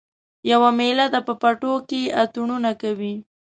یوه میله ده په پټو کې اتڼونه کوي